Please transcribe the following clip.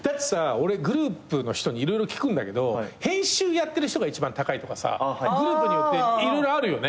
俺グループの人に色々聞くんだけど編集やってる人が一番高いとかさグループによって色々あるよね。